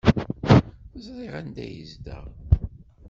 Ẓriɣ anda ay yezdeɣ.